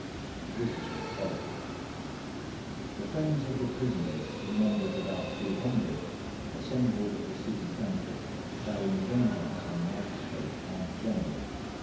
This is what followed:— "The friends of the prisoners, to the number of about three hundred, assembled at the city temple, vowing vengeance on the magistrate and general.